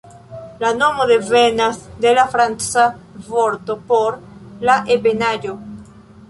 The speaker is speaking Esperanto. La nomo devenas de la franca vorto por 'la ebenaĵo'.